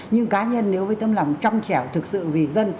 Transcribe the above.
nhưng cá nhân nếu với tâm lòng trong trẻo thực sự vì dân